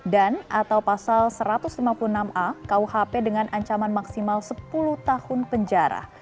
dan atau pasal satu ratus lima puluh enam a kuhp dengan ancaman maksimal sepuluh tahun penjara